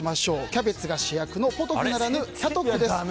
キャベツが主役のポトフならぬキャトフです。